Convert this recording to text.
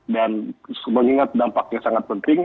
dan mengingat dampaknya sangat penting